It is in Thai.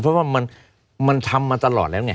เพราะว่ามันทำมาตลอดแล้วไง